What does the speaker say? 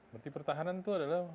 menteri pertahanan itu adalah